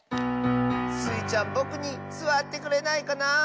「スイちゃんぼくにすわってくれないかなあ。